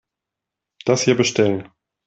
Das hier bestellen.